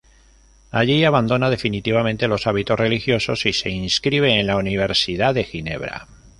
Allí abandona definitivamente los hábitos religiosos y se inscribe en la Universidad de Ginebra.